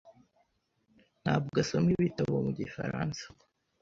ntabwo asoma ibitabo mu gifaransa.